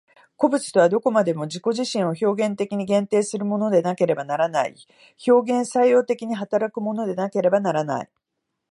個物とはどこまでも自己自身を表現的に限定するものでなければならない、表現作用的に働くものでなければならない。